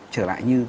trở lại như